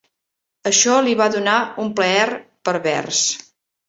Això li va donar un plaer pervers.